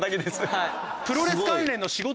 はい。